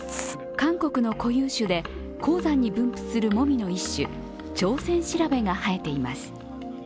韓国の固有種で高山に分布するもみの一種、チョウセンシラベが生えています。